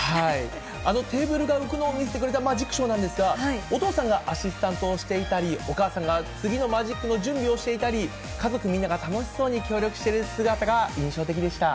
あのテーブルが浮くのを見せてくれたマジックショーなんですが、お父さんがアシスタントをしていたり、お母さんが次のマジックの準備をしていたり、家族みんなが楽しそうに協力してる姿が印象的でした。